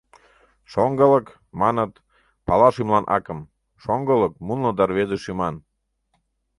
Шоҥгылык, маныт, пала шӱмлан акым: шоҥгылык мунло да рвезе шӱман.